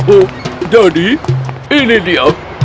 oh jadi ini dia